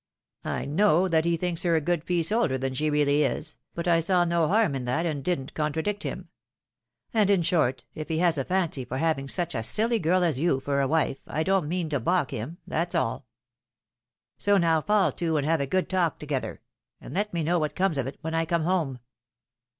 I know that he thinks her a good piece older than she really is —■ but I saw no harm in that, and didn't contradict him. And in short, if he has a fancy for having such a silly girl as you for a wife, I don't mean to baiilk him — that's all. So now fall to, and have a good talk together, and let me know what comes of it, when I come home."